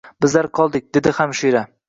Bizlar qoldik, dedi hamshira